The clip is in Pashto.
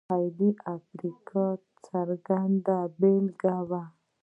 سوېلي افریقا څرګنده بېلګه وه.